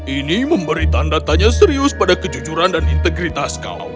ini memberi tanda tanya serius pada kejujuran dan integritas kau